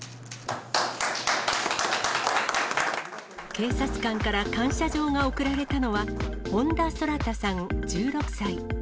警察官から感謝状が贈られたのは、本田空太さん１６歳。